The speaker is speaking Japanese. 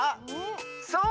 そう。